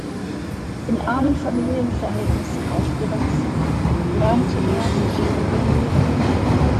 In armen Familienverhältnissen aufgewachsen, lernte er verschiedene Handwerke.